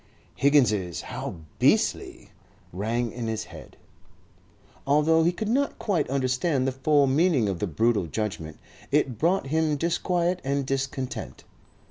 Higgins's "How beastly!" rang in his head. Although he could not quite understand the full meaning of the brutal judgment, it brought him disquiet and discontent.